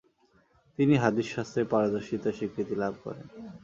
তিনি হাদিসশাস্ত্রে পারদর্শিতার স্বীকৃতি লাভ করেন।